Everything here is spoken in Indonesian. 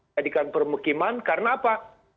jadi kan permukiman karena apa